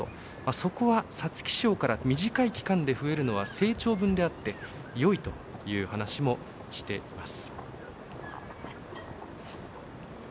そこは皐月賞から短い期間で増えるのは、成長分であってよいという話もしています。